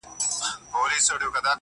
o له څه مودې ترخ يم خـــوابــــدې هغه.